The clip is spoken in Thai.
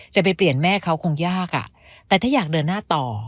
จะไปเปลี่ยนแม่เขาคงยากอ่ะแต่ถ้าอยากเดินหน้าต่อ